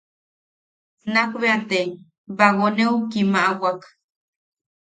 Nakbea te bagoneu kimaʼawak.